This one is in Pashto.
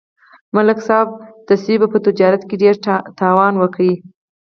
ملک صاحب د مڼو په تجارت کې ډېر تاوان وکړ